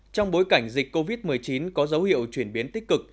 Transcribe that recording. trong bối cảnh dịch covid một mươi chín có dấu hiệu chuyển biến tích cực